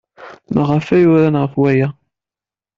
Maɣef ay uran ɣef waya?